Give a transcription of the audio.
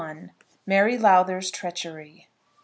MARY LOWTHER'S TREACHERY.